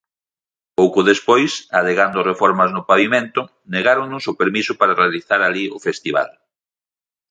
Pouco despois, alegando reformas no pavimento, negáronnos o permiso para realizar alí o festival.